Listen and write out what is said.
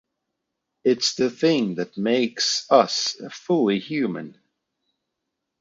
It's the thing that makes us fully human.